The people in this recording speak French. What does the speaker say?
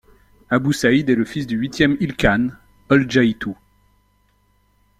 Abou-Saïd est le fils du huitième ilkhan, Oldjaïtou.